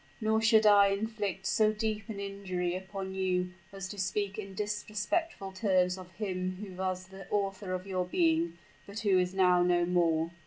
Nor should I inflict so deep an injury upon you, as to speak in disrespectful terms of him who was the author of your being, but who is now no more."